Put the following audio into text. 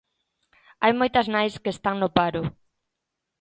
Hai moitas nais que están no paro.